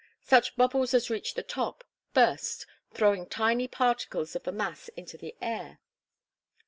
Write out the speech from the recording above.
Such bubbles as reach the top, burst, throwing tiny particles of the mass into the air.